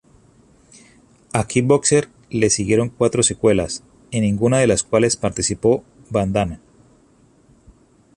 A "Kickboxer" le siguieron cuatro secuelas, en ninguna de las cuales participó Van Damme.